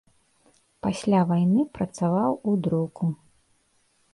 Пасля вайны працаваў у друку.